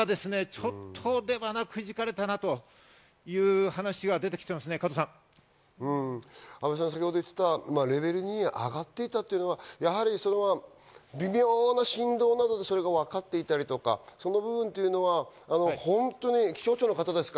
その「こそは」が、ちょっと出鼻をくじかれたかなという話が出て先程言っていたレベル２に上がっていたというのは、やはりそれは微妙な振動などで、それがわかっていたり、その部分というのは本当に気象庁の方ですか？